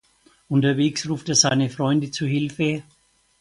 Unterwegs ruft er seine Freunde zu Hilfe.